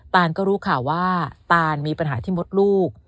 ตานก็รู้ข่าวว่าตานมีปัญหาที่มดลูก